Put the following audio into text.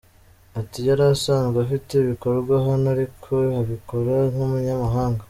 Ati “Yari asanzwe afite ibikorwa hano ariko abikora nk’umunyamahanga.